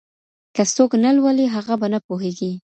که څوک نه لولي هغه به نه پوهېږي.